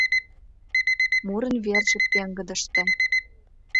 Мурын верже пеҥгыдыште.